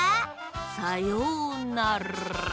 さようなら！